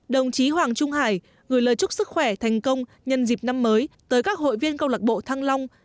đồng chí hoàng trung hải gửi lời chúc sức khỏe thành công nhân dịp năm mới tới các hội viên công lạc bộ thăng long